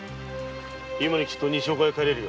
今にきっと西岡へ帰れるよ。